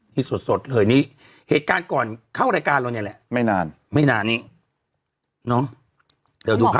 ที่สดเหล่านี้เหตุการณ์ก่อนเข้ารายการเราเนี่ยแหละไม่นานไม่นานนี่เนาะ